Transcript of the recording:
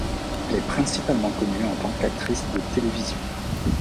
Elle est principalement connue en tant qu'actrice de télévision.